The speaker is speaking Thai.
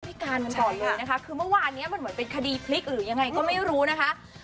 พิการกันก่อนเลยนะคะคือเมื่อวานเนี้ยมันเหมือนเป็นคดีพลิกหรือยังไงก็ไม่รู้นะคะ